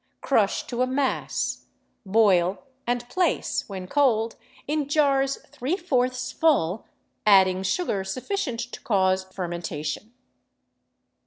Crush to a mass, boil, and place, when cold, in jars three fourths full, adding sugar sufficient to cause fermentation."